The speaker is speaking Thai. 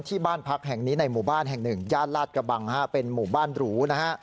ที่บ้านพักแห่งนี้ในหมู่บ้านแห่งหนึ่งย่านลาดกระบังฮะเป็นหมู่บ้านหรูนะฮะ